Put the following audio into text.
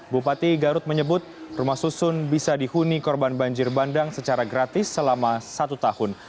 bupati garut menyebut rumah susun bisa dihuni korban banjir bandang secara gratis selama satu tahun